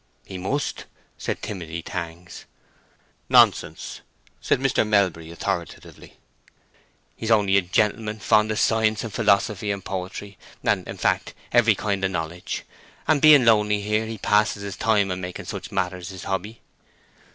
"He must," said Timothy Tangs. "Nonsense," said Mr. Melbury, authoritatively, "he's only a gentleman fond of science and philosophy and poetry, and, in fact, every kind of knowledge; and being lonely here, he passes his time in making such matters his hobby."